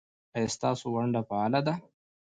ایا ستاسو ونډه فعاله ده؟